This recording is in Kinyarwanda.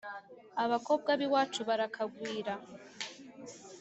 Abakobwa b’iwacu barakagwira